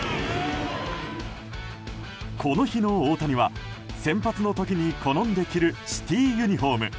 この日の大谷は先発の時に好んで着るシティーユニホーム。